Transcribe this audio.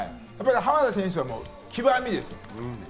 浜田選手は極みです。